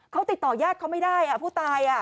เขาติดต่อญาติเขาไม่ได้ผู้ตาย